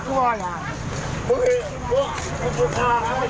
พ่อพ่ออย่า